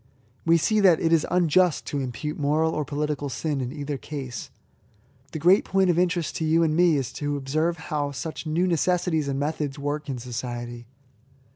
We see that it is unjust to impute moral or political sin in either case. The great point of interest to you and me is to observe how such new necessities and methods work in society.